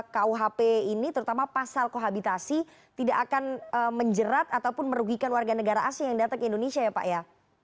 kuhp ini terutama pasal kohabitasi tidak akan menjerat ataupun merugikan warga negara asing yang datang ke indonesia ya pak ya